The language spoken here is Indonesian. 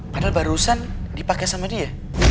padahal barusan dipakai sama dia